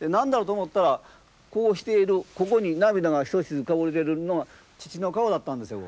何だろうと思ったらこうしているここに涙が一滴こぼれてるのが父の顔だったんですよ。